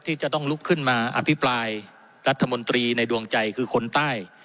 ที่จะต้องลุกขึ้นมาอภิปรายรัฐมนตรีในดวงใจคือคนใต้